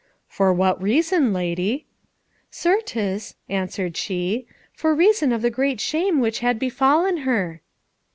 "For what reason, lady?" "Certes," answered she, "for reason of the great shame which had befallen her."